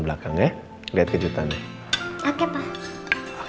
belakang ya lihat kejutannya oke pak